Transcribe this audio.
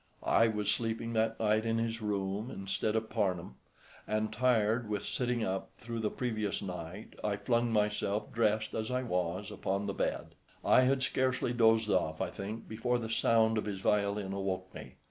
I was sleeping that night in his room instead of Parnham, and tired with sitting up through the previous night, I flung myself, dressed as I was, upon the bed. I had scarcely dozed off, I think, before the sound of his violin awoke me.